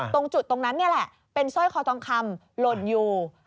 ตรงจุดตรงนั้นเนี่ยแหละเป็นซ่อยขอทองคำโหลดคือ